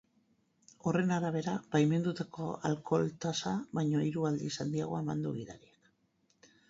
Horren arabera, baimendutako alkohol-tasa baino hiru aldiz handiagoa eman du gidariak.